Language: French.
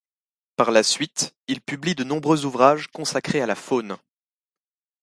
Par la suite, il publie de nombreux ouvrages consacrés à la faune.